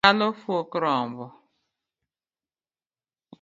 Dhalo fuok rombo